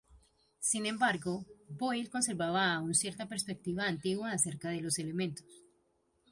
Sin embargo, Boyle conservaba aún cierta perspectiva antigua acerca de los elementos.